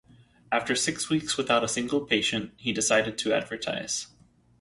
After six weeks without a single patient, he decided to advertise.